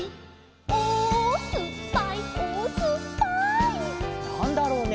「おおすっぱいおおすっぱい」なんだろうね？